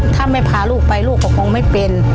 ถ้าไม่พาลูกไปลูกก็คงไม่เป็น